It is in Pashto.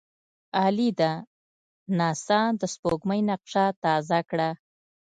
عالي ده! ناسا د سپوږمۍ نقشه تازه کړه.